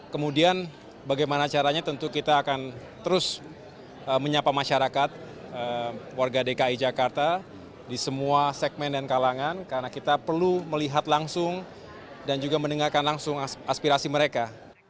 kemudian bagaimana caranya tentu kita akan terus menyapa masyarakat warga dki jakarta di semua segmen dan kalangan karena kita perlu melihat langsung dan juga mendengarkan langsung aspirasi mereka